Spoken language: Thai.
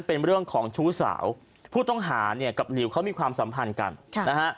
เป็นเรื่องของชู้สาวผู้ต้องหาเนี่ยกับหลิวเขามีความสัมพันธ์กันนะฮะ